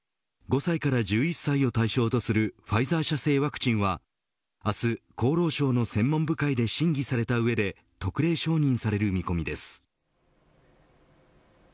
５歳から１１歳を対象とするファイザー社製ワクチンは明日、厚労省の専門部会で審議された上で特例承認される見込みです。